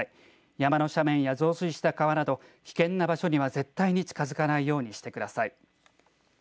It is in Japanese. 山の斜面や増水した川など危険な場所には絶対近づかないようにしてください。